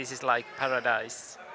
ini seperti keadaan